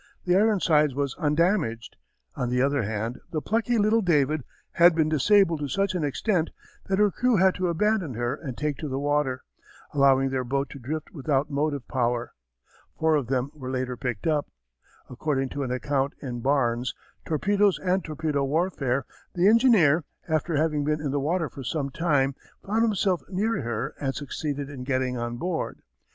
The Ironsides was undamaged. On the other hand the plucky little David had been disabled to such an extent that her crew had to abandon her and take to the water, allowing their boat to drift without motive power. Four of them were later picked up. According to an account in Barnes, Torpedoes and Torpedo Warfare, the engineer, after having been in the water for some time, found himself near her and succeeded in getting on board.